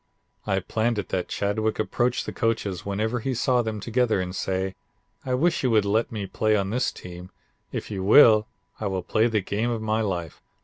I planned it that Chadwick approach the coaches whenever he saw them together and say: 'I wish you would let me play on this team. If you will I will play the game of my life.